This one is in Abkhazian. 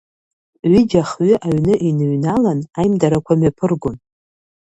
Ҩыџьа-хҩы аҩны иныҩналан, аимдарақәа мҩаԥыргон.